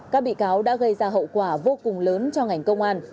các bị cáo đã gây ra hậu quả vô cùng lớn cho ngành công an